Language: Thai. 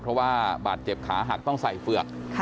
เพราะว่าบาดเจ็บขาหักต้องใส่เฝือก